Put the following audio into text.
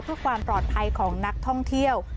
เพื่อความปลอดภัยของนักท่องเที่ยว